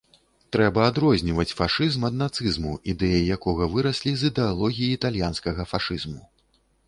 Трэба адрозніваць фашызм ад нацызму, ідэі якога выраслі з ідэалогіі італьянскага фашызму.